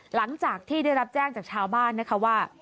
หลังจากที่ได้รับแจ้งจากชาวบ้านนะคะว่า